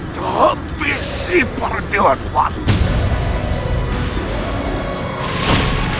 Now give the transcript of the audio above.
tapi si partian wang